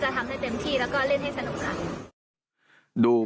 อยากให้ทุกคนเชียร์ให้สนุกนะครับ